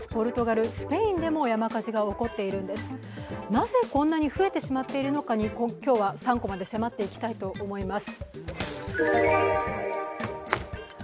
なぜこんなに増えているのか、今日は３コマで迫っていこうと思います。